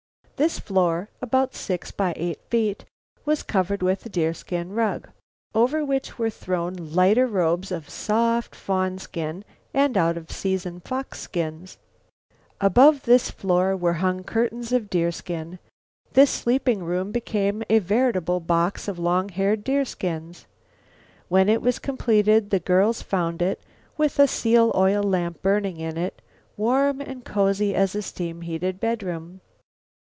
This floor, about six by eight feet, was covered with a deerskin rug, over which were thrown lighter robes of soft fawn skin and out of season fox skins. Above this floor were hung curtains of deerskin. This sleeping room became a veritable box of long haired deerskins. When it was completed the girls found it, with a seal oil lamp burning in it, warm and cozy as a steam heated bedroom.